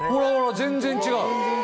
全然違う。